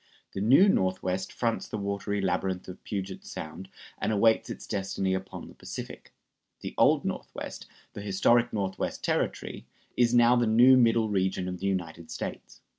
The New Northwest fronts the watery labyrinth of Puget Sound and awaits its destiny upon the Pacific. The Old Northwest, the historic Northwest Territory, is now the new Middle Region of the United States.